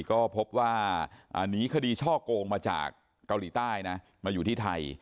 ก็พบว่าหนีคดีช่อโกงมาจากเกาหลีใต้นะมาอยู่ที่ไทย